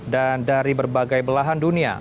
dan dari berbagai belahan dunia